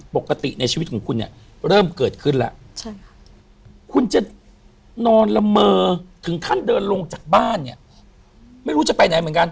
บ้านจะไปสองชั้นอย่างนี้ใช่ไหม